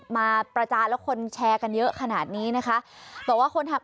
มาประจานแล้วคนแชร์กันเยอะขนาดนี้นะคะบอกว่าคนขับ